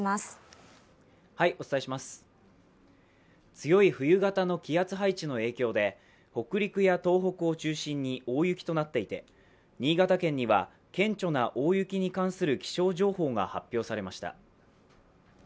強い冬型の気圧配置の影響で北陸や東北を中心に大雪となっていて、新潟県には顕著な大雪に関する気象情報が発表されました。